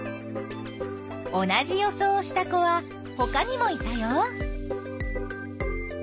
同じ予想をした子はほかにもいたよ。